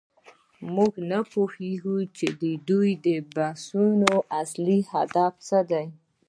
موږ نه پوهیږو چې د دې بحثونو اصلي هدف څه دی.